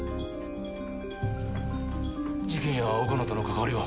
事件や岡野との関わりは？